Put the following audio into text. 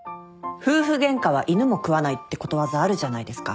「夫婦ゲンカは犬も食わない」ってことわざあるじゃないですか。